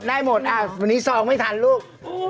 วันนี้ซองไม่ทันลูก